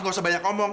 gak usah banyak omong